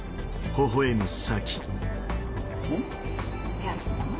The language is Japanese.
いや。